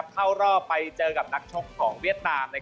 เข้ารอบไปเจอกับนักชกของเวียดนาม